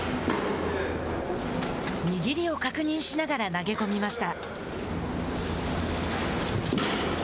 握りを確認しながら投げ込みました。